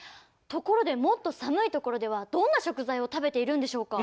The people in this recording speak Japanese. ところでもっと寒いところではどんな食材を食べているんでしょうか？